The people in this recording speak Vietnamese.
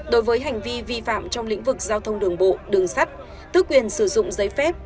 đối với hành vi vi phạm trong lĩnh vực giao thông đường bộ đường sắt tước quyền sử dụng giấy phép